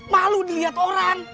malu dilihat orang